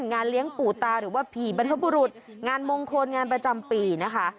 งานเลี้ยงปู่ตาหรือว่าผีบรรพบุรุษงานมงคลงานประจำปีนะคะ